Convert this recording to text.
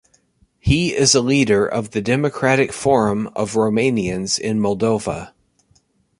He is a leader of the Democratic Forum of Romanians in Moldova.